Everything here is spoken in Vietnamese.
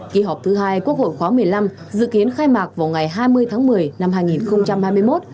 kỳ họp thứ hai quốc hội khóa một mươi năm dự kiến khai mạc vào ngày hai mươi tháng một mươi năm hai nghìn hai mươi một